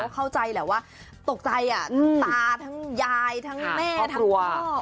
เข้าใจแหละว่าตกใจทั้งตาทั้งยายทั้งแม่ทั้งตัว